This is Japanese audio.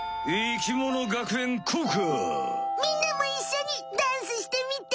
みんなもいっしょにダンスしてみて！